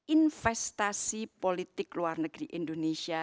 investasi politik luar negeri indonesia